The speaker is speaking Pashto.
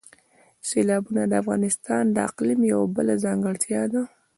سیلابونه د افغانستان د اقلیم یوه بله ځانګړتیا ده.